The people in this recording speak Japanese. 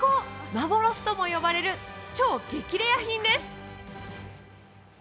幻とも呼ばれる超激レア品です。